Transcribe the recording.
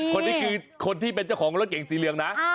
คนนี้คือคนที่เป็นเจ้าของรถเก่งสีเหลืองนะ